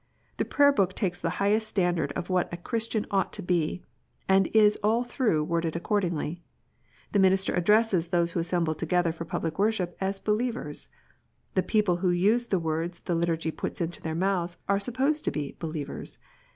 The Prayer book takes the highest standard of what a Christian ought to be, and is all through worded accordingly. The minister addresses those who assemble together for public worship as believers. The people who use the words the Liturgy puts into their mouths, are supposed to be believers.